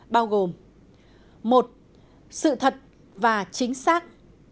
bao gồm một sự thật và chính xác